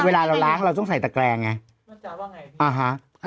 เวลาเราล้างเราต้องใส่ตะแกรงไงมันจะว่าไงอ่าฮะ